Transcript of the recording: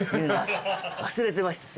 忘れてました。